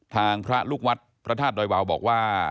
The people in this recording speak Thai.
พระลูกวัดพระธาตุดอยวาวบอกว่า